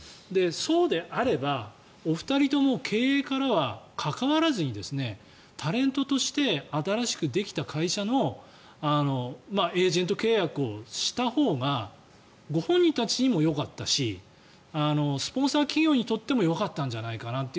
そうであればお二人とも経営からは関わらずにタレントとして新しくできた会社のエージェント契約をしたほうがご本人たちにもよかったしスポンサー企業にとってもよかったんじゃないかなって